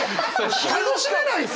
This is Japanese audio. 楽しめないって！